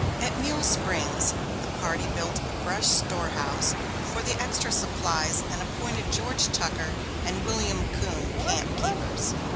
At Mule Springs, the party built a brush store house for the extra supplies and appointed George Tucker and William Coon camp keepers.